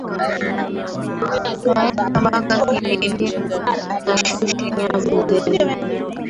Tweka mbaka kilindini, kashushe nyavu zenu.